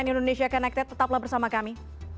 cnn indonesia connected tetaplah bersama kami